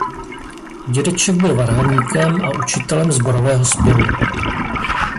Dědeček byl varhaníkem a učitelem sborového zpěvu.